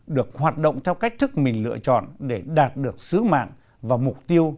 được hoạt động theo cách thức mình lựa chọn để đạt được sứ mạng và mục tiêu